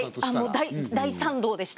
もう大賛同でした。